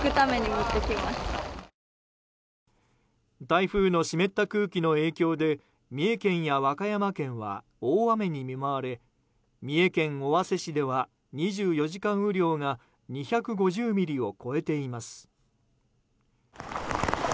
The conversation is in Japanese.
台風の湿った空気の影響で三重県や和歌山県は大雨に見舞われ三重県尾鷲市では２４時間雨量が２５０ミリを超えています。